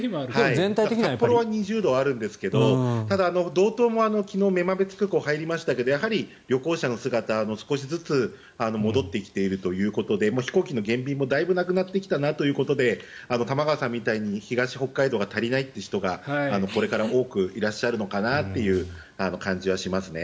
札幌は２０度あるんですがただ、道東も昨日、女満別空港に入りましたがやはり、旅行者の姿が少しずつ戻ってきていて飛行機の減便もだいぶなくなってきたところで玉川さんみたいに東北海道が足りない人が多くいらっしゃるのかなという感じがしますね。